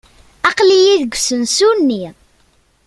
Aql-iyi deg usensu-nni.